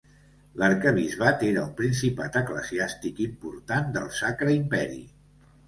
L'arquebisbat era un principat eclesiàstic important del Sacre Imperi.